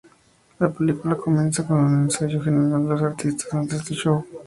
La película comienza con un ensayo general de los artistas antes del show.